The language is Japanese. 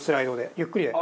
ゆっくりで。